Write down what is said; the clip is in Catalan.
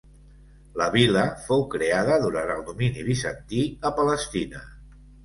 La vila fou creada durant el domini bizantí a Palestina.